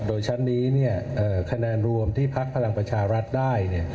โดยชั้นนี้คะแนนรวมที่พักพลังประชารัฐได้